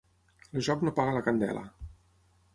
El joc no paga la candela.